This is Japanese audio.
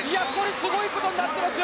すごいことになっていますよ！